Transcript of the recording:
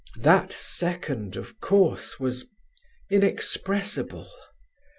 That second, of course, was inexpressible.